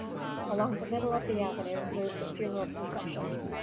Along the middle of the avenue moved the funeral procession.